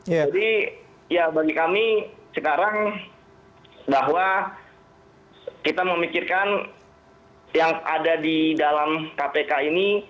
jadi ya bagi kami sekarang bahwa kita memikirkan yang ada di dalam kpk ini